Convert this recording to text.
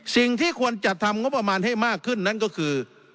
สิ่งที่ควรจัดทำงบประมาณให้มากขึ้นนั้นก็คือ